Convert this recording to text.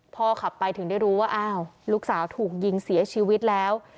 พอขับไปถึงได้รู้ว่าอ้าวลูกสาวถูกยิงเสียชีวิตแล้ว